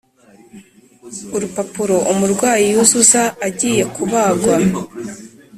urupapuro umurwayi yuzuza agiye kubagwa